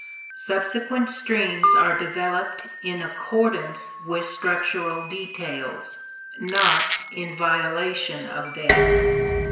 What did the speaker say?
Subsequent streams are developed in accordance with structural details, not in violation of them.